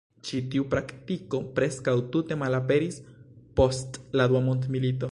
Ĉi tiu praktiko preskaŭ tute malaperis post la dua mondmilito.